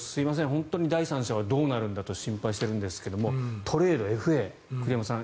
本当に第三者はどうなるんだと心配してますがトレード、ＦＡ栗山さん